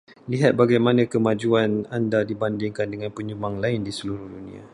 Lihat bagaimana kemajuan Anda dibandingkan dengan penyumbang lain di seluruh dunia.